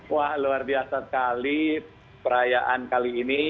wah luar biasa sekali perayaan kali ini